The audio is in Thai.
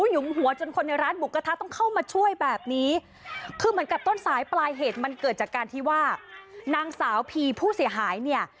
ยุงหัวจนคนในร้านหมูกระทะต้องเข้ามาช่วยแบบนี้คือเหมือนกับต้นสายปลายเหตุมันเกิดจากการที่ว่านางสาวพีผู้เสียหายเนี่ย